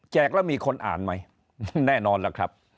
แล้วมีคนอ่านไหมแน่นอนล่ะครับ